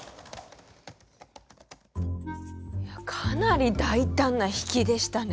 かなり大胆な引きでしたね。